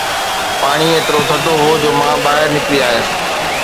پاڻي ايترو ٿڌو هو جو مان ٻاهر نڪري آيس